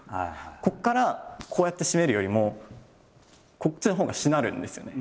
ここからこうやって締めるよりもこっちのほうがしなるんですよね。